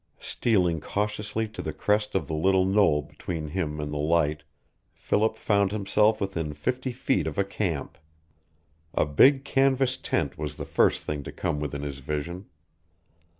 Stealing cautiously to the crest of the little knoll between him and the light, Philip found himself within fifty feet of a camp. A big canvas tent was the first thing to come within his vision.